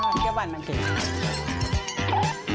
แก้วบันมันเก่ง